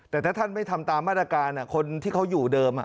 แต่ถ้าท่านไม่ทำตามมาตรการคนที่เขาอยู่เดิม